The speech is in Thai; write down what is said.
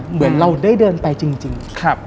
เหมือนเราได้เดินไปจริง